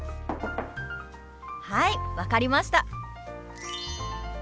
はい分かりました！